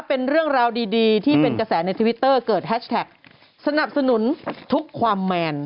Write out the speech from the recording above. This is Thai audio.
เป็นเรื่องราวดีดีที่เป็นกระแสในทวิตเตอร์เกิดแฮชแท็กสนับสนุนทุกความแมน